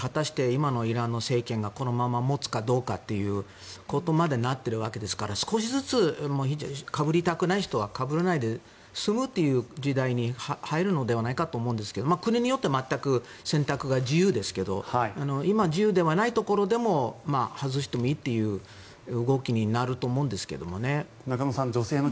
今のイランの政権がこのまま持つかどうかということまでなっているわけですから少しずつかぶりたくない人はかぶらないで済むという時代に入るのではと思いますが国によって全く選択は自由ですが今、自由ではないところでも外してもいいという中野さん